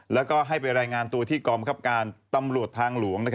แล้วก็ให้ไปรายงานตัวที่กองบังคับการตำรวจทางหลวง